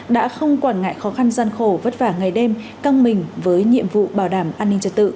đã không quản ngại khó khăn gian khổ vất vả ngày đêm căng mình với nhiệm vụ bảo đảm an ninh trật tự